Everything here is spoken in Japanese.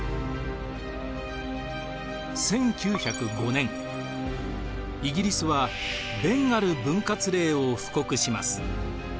１９０５年イギリスはベンガル分割令を布告します。